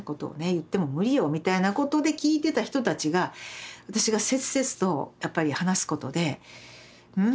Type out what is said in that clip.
言っても無理よみたいなことで聞いてた人たちが私が切々とやっぱり話すことでうん？